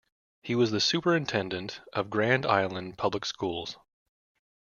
He was the superintendent of Grand Island Public Schools.